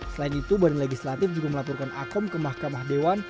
selain itu badan legislatif juga melaporkan akom ke mahkamah dewan